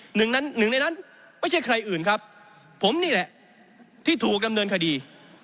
หนึ่งนั้นหนึ่งในนั้นไม่ใช่ใครอื่นครับผมนี่แหละที่ถูกดำเนินคดี